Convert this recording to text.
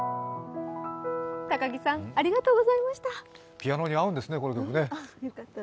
ピアノに合うんですね、この曲。